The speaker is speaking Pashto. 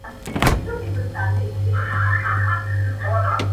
چنداني چا سیالي نه ده کړې -